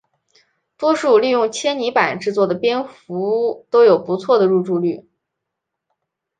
多数利用纤泥板制作的蝙蝠屋都有不错的入住率。